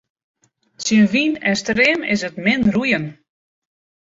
Tsjin wyn en stream is 't min roeien.